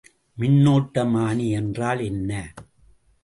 மின்னோட்டமானி என்றால் என்ன?